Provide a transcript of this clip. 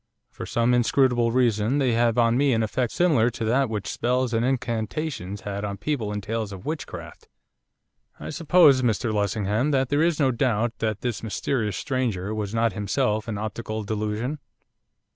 For some inscrutable reason they have on me an effect similar to that which spells and incantations had on people in tales of witchcraft.' 'I suppose, Mr Lessingham, that there is no doubt that this mysterious stranger was not himself an optical delusion?